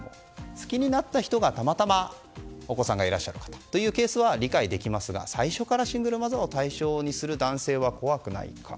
好きになった人がたまたまお子さんがいらっしゃったというケースは理解できますが最初からシングルマザーを対象にする男性は怖くないか。